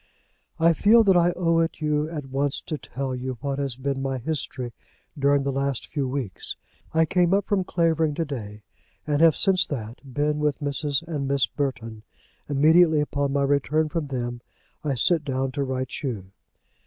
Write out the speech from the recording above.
I feel that I owe it you at once to tell you what has been my history during the last few weeks. I came up from Clavering to day, and have since that been with Mrs. and Miss Burton. Immediately on my return from them I sit down to write you.